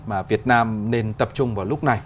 mà việt nam nên tập trung vào lúc này